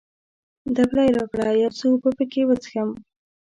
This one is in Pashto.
دبلی راکړه، یو څه اوبه پکښې وڅښم.